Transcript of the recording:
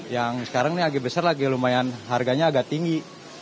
yang sekarang ini agak besar lagi lumayan harganya agak tinggi